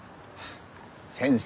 先生